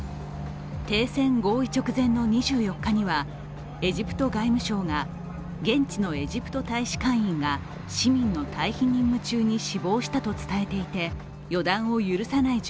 停戦合意直前の２４日にはエジプト外務相が現地のエジプト大使館員が市民の退避任務中に死亡していて、ハミガキ選びはここに注目！